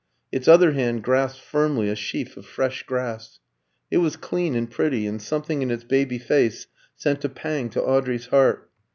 Its other hand grasped firmly a sheaf of fresh grass. It was clean and pretty, and something in its baby face sent a pang to Audrey's heart.